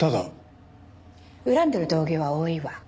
恨んでる同業は多いわ。